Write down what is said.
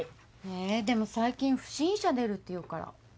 えでも最近不審者出るっていうから。